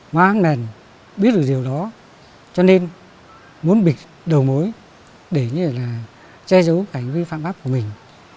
mà văn mèn biết được điều đó cho nên muốn bịt đầu mối để như là che giấu hành vi phạm pháp của mình